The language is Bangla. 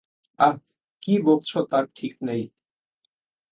আঃ– কী বকছ তার ঠিক নেই!